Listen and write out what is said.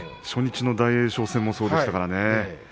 初日の大栄翔戦もそうでしたね。